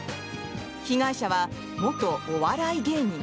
被害者は元お笑い芸人。